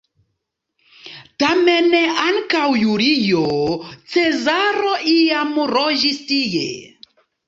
Tamen ankaŭ Julio Cezaro iam loĝis tie.